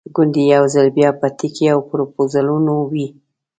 ګوندې یو ځل بیا به ټیکې او پروپوزلونه وي.